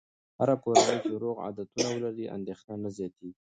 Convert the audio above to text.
هره کورنۍ چې روغ عادتونه ولري، اندېښنه نه زیاتېږي.